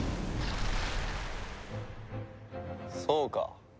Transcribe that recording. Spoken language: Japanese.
そうか。